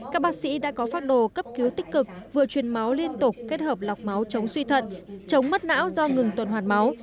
các bác sĩ đã có phát đồ cấp cứu tích cực vừa truyền máu liên tục kết hợp lọc máu chống suy thận chống mất não do ngừng tuần hoàn máu